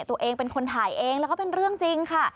ตัวเองเป็นคนถ่ายเองแล้วก็เป็นเรื่องจริงค่ะ